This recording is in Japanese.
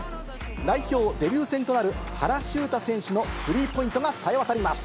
代表デビュー戦となる原修太選手のスリーポイントがさえわたります。